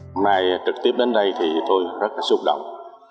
hôm nay trực tiếp đến đây thì tôi rất là xúc động